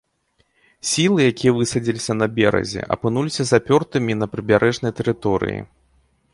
Сілы, якія высадзіліся на беразе, апынуліся запёртымі на прыбярэжнай тэрыторыі.